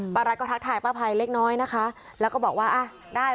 รัฐก็ทักทายป้าภัยเล็กน้อยนะคะแล้วก็บอกว่าอ่ะได้